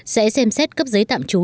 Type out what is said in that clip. sẽ xem xét cấp giấy tạm chú